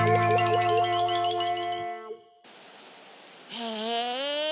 へえ。